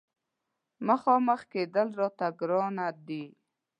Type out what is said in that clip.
مخامخ کېدل راته ګرانه دي.